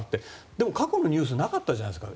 でも過去のニュースでなかったじゃないですか。